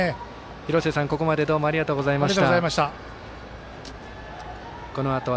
廣瀬さん、ここまでどうもありがとうございました。